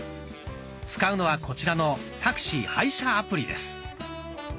使うのはこちらの「タクシー配車アプリ」です。